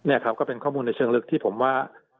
นี่ครับก็เป็นข้อมูลในเชิงลึกที่ผมว่า